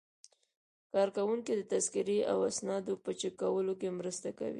کارکوونکي د تذکرې او اسنادو په چک کولو کې مرسته کوي.